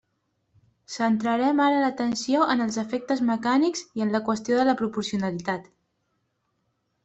Centrarem ara l'atenció en els efectes mecànics i en la qüestió de la proporcionalitat.